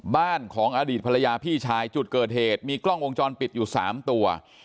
บ้านของอดีตภรรยาพี่ชายจุดเกิดเหตุมีกล้องวงจรปิดอยู่๓ตัว